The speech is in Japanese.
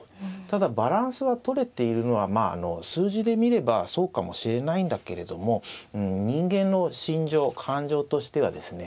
ただバランスはとれているのは数字で見ればそうかもしれないんだけれども人間の心情感情としてはですね